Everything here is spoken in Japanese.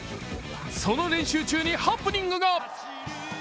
その練習中にハプニングが。